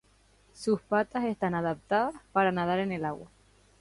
Sus patas están adaptadas para nadar en el agua.